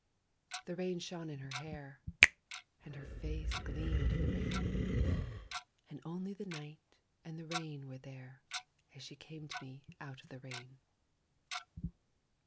The rain shone in her hair, And her face gleamed in the rain; And only the night and the rain were there As she came to me out of the rain.